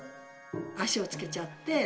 足をつけちゃって。